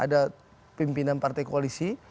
ada pimpinan partai koalisi